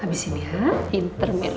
abisin ya pinter mirna